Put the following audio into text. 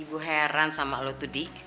ibu heran sama lo tudi